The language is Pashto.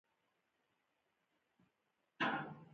د مالټې دانه د پوستکي لپاره وکاروئ